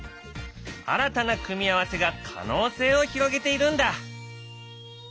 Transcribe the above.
新たな組み合わせが可能性を広げているんだ。